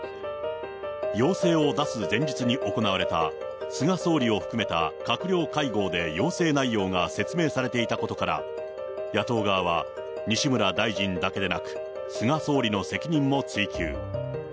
要請を出す前日に行われた、菅総理を含めた閣僚会合で要請内容が説明されていたことから、野党側は西村大臣だけでなく、菅総理の責任も追及。